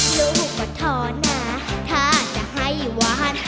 ลูกมาทอหนาถ้าจะให้หวาน